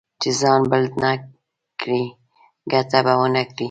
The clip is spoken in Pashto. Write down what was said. چې ځان پل نه کړې؛ ګټه به و نه کړې.